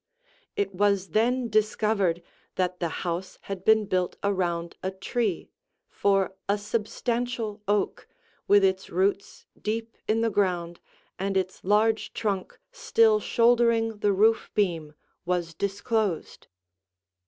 It was then discovered that the house had been built around a tree, for a substantial oak, with its roots deep in the ground and its large trunk still shouldering the roof beam, was disclosed.